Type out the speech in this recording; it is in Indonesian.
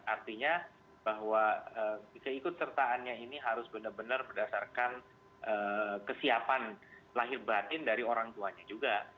artinya bahwa keikut sertaannya ini harus benar benar berdasarkan kesiapan lahir batin dari orang tuanya juga